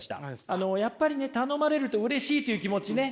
あのやっぱりね頼まれるとうれしいという気持ちね